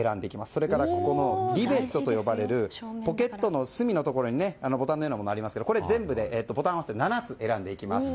それからここのリベットと呼ばれるポケットの隅のところにボタンのようなものがありますが全部合わせて７つ選んでいきます。